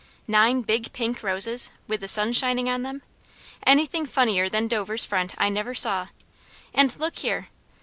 Nine big pink roses, with the sun shining on them! Anything funnier than Dovers' front I never saw. And look here!"